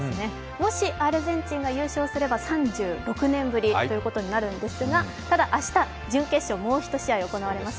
もしアルゼンチンが優勝すれば３６年ぶりになるんですが、ただ、明日、準決勝、もう１試合行われます。